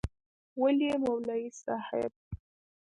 وله یی مولوی صیب.